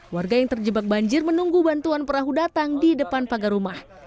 warga yang terjebak banjir menunggu bantuan perahu datang di depan pagar rumah